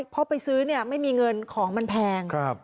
เพราะไปซื้อเนี่ยไม่มีเงินของมันแพง